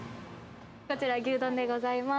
こちら、牛丼でございます。